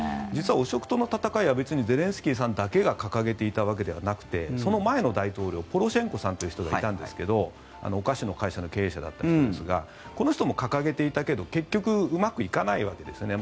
実は汚職との戦いは別にゼレンスキーさんだけが掲げていたわけじゃなくてその前の大統領ポロシェンコさんという人がいたんですけどお菓子の会社の経営者だった人ですがこの人も掲げていたけど結局うまくいかないわけです。